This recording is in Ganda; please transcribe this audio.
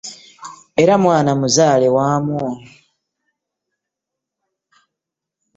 Era mwana muzaale waamwo